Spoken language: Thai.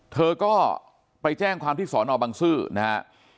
เธอก็ไปแจ้งความที่สอนอบังซื้อนะฮะ